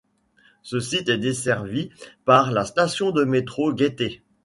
Ce site est desservi par la station de métro Gaîté.